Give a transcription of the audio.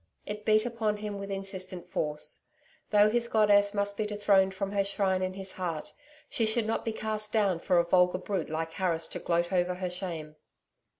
It beat upon him with insistent force. Though his goddess must be dethroned from her shrine in his heart, she should not be cast down for a vulgar brute like Harris to gloat over her shame....